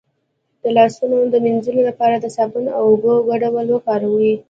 د لاسونو د مینځلو لپاره د صابون او اوبو ګډول وکاروئ